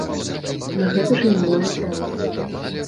На гэта ж ён мае права!